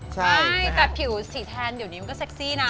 ใช่แต่ผิวสีแทนเดี๋ยวนี้มันก็เซ็กซี่นะ